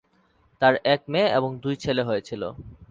তার এক মেয়ে এবং দুই ছেলে হয়েছিল।